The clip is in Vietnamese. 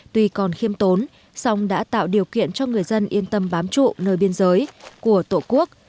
tuy còn khiêm tốn song đã tạo điều kiện cho người dân yên tâm bám trụ nơi biên giới của tổ quốc